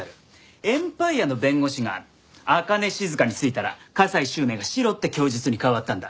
エンパイヤの弁護士が朱音静についたら加西周明がシロって供述に変わったんだ。